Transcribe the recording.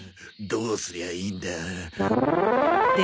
どうすりゃいいんだ。